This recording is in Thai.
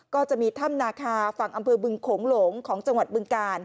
ก็จะมีถ้ำนาคาฝั่งอำเภอบึงโขงหลงของจังหวัดบึงกาล